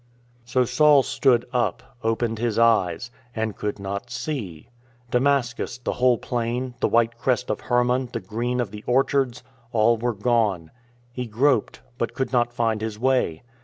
" So Saul stood up, opened his eyes — and could not see. Damascus, the whole plain, the white crest of Hermon, the green of the orchards — all were gone. He groped, but could not find his way.